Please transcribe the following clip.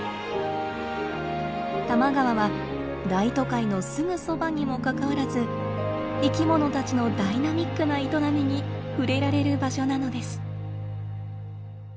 多摩川は大都会のすぐそばにもかかわらず生きものたちのダイナミックな営みに触れられる場所なのです。